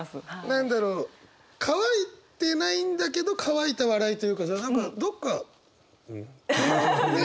何だろう乾いてないんだけど乾いた笑いというかさ何かどっか。ね。